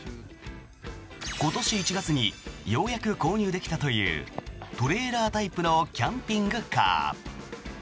今年１月にようやく購入できたというトレーラータイプのキャンピングカー。